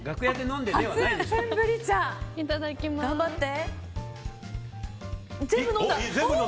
頑張って！